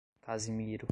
Casimiro